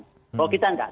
kalau kita nggak